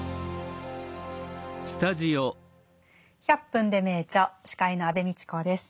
「１００分ｄｅ名著」司会の安部みちこです。